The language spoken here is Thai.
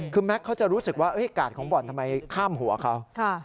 คือแม็กซเขาจะรู้สึกว่ากาดของบ่อนทำไมข้ามหัวเขา